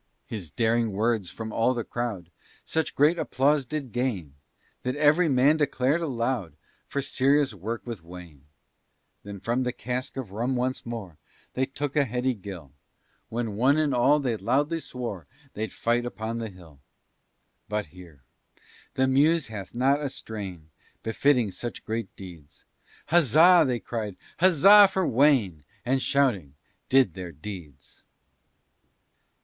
His daring words, from all the crowd, Such great applause did gain, That every man declar'd aloud For serious work with Wayne. Then from the cask of rum once more, They took a heady gill; When one and all, they loudly swore, They'd fight upon the hill. But here the Muse hath not a strain Befitting such great deeds; Huzza! they cried, huzza! for Wayne, And shouting, did their needs.